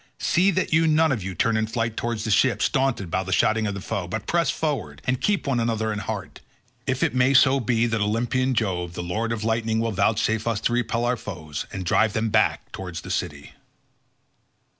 See that you none of you turn in flight towards the ships, daunted by the shouting of the foe, but press forward and keep one another in heart, if it may so be that Olympian Jove the lord of lightning will vouchsafe us to repel our foes, and drive them back towards the city."